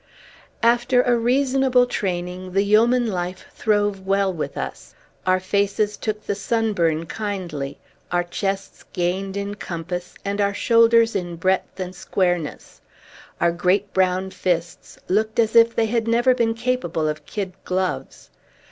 After a reasonable training, the yeoman life throve well with us. Our faces took the sunburn kindly; our chests gained in compass, and our shoulders in breadth and squareness; our great brown fists looked as if they had never been capable of kid gloves.